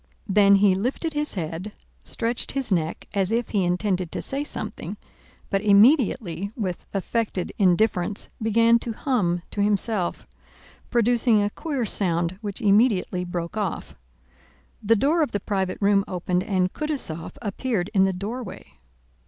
Then he lifted his head, stretched his neck as if he intended to say something, but immediately, with affected indifference, began to hum to himself, producing a queer sound which immediately broke off. The door of the private room opened and Kutúzov appeared in the doorway.